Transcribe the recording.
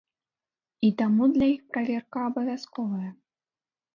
І таму для іх праверка абавязковая.